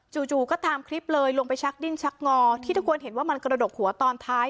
จู่ก็ตามคลิปเลยลงไปชักดิ้นชักงอที่ทุกคนเห็นว่ามันกระดกหัวตอนท้าย